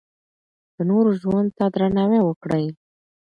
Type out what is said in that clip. د نورو ژوند ته درناوی وکړئ.